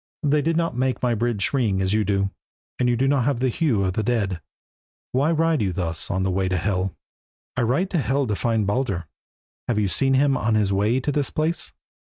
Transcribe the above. "They did not make my bridge ring as you do, and you have not the hue of the dead. Why ride you thus on the way to Hel?" He said "I ride to Hel to find Baldur. Have you seen him on his way to that place?"